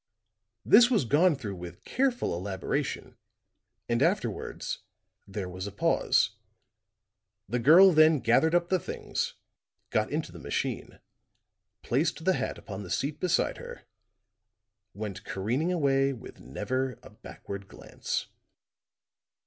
This was gone through with careful elaboration and afterwards there was a pause; the girl then gathered up the things, got into the machine, placed the hat upon the seat beside her, went careening away with never a backward glance.